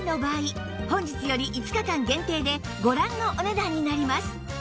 本日より５日間限定でご覧のお値段になります